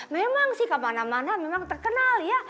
memang sih kemana mana memang terkenal ya